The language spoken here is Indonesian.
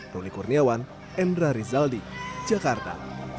roni kurniawan endra rizaldi jakarta